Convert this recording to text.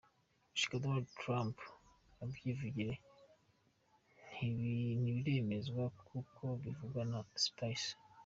Gushika Donald Trump avyivugire, ntibiremezwa,” nk’uko bivugwa na Spicer.